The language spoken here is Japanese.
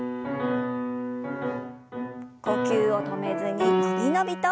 呼吸を止めずに伸び伸びと。